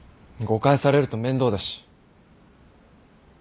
誤解されると面倒だし。